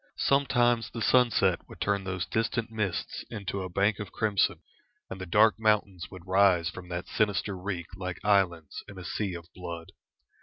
Sometimes the sunset would turn those distant mists into a bank of crimson, and the dark mountains would rise from that sinister reek like islands in a sea of blood.